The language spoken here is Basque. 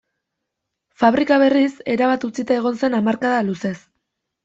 Fabrika, berriz, erabat utzia egon zen hamarkada luzez.